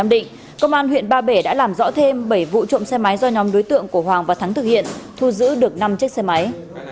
do nhóm đối tượng của hoàng và thắng thực hiện thu giữ được năm chiếc xe máy